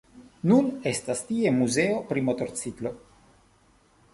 Nun estas tie muzeo pri Motorciklo.